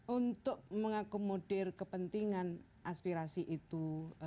untuk mengakomodir kepentingan aspirasi itu